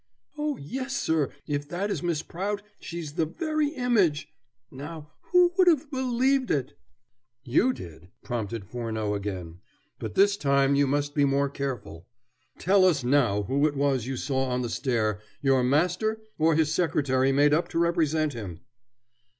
"Oh, yes, sir; if that is Miss Prout she's the very image Now, who would have believed it?" "You did," prompted Furneaux again. "But this time you must be more careful. Tell us now who it was you saw on the stair, your master, or his secretary made up to represent him?"